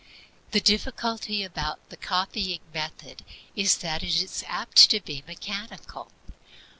The difficulty about the copying method is that it is apt to be mechanical.